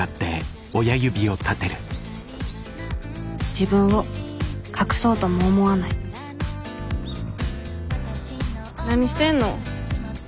自分を隠そうとも思わない何してんの？